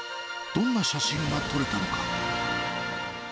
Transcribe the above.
どんな写真が撮れたのか。